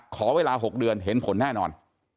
ขอเวลา๖เดือนเห็นผลแน่นอน